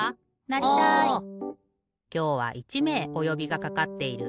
きょうは１めいおよびがかかっている。